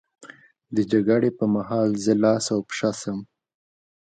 د جګړې پر مهال زه لاس او پښه شم.